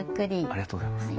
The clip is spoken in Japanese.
ありがとうございます。